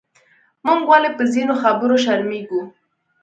موږ ولې پۀ ځینو خبرو شرمېږو؟